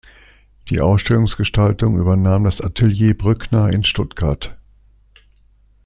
Die Ausstellungsgestaltung übernahm das Atelier Brückner in Stuttgart.